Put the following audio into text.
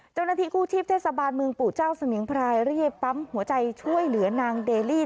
เจ้าหน้าที่กู้ชีพเทศบาลเมืองปู่เจ้าสมิงพรายเรียกปั๊มหัวใจช่วยเหลือนางเดลี่